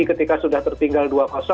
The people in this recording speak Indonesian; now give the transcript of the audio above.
ketika sudah tertinggal dua